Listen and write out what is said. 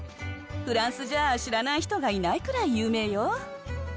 フランスじゃ知らない人がいないぐらい有名よ。